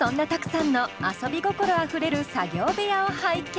Ｔａｋｕさんの遊び心あふれる作業部屋を拝見。